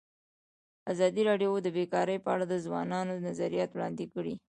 ازادي راډیو د بیکاري په اړه د ځوانانو نظریات وړاندې کړي.